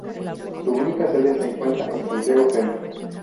Su única sede se encuentra en Santiago Centro.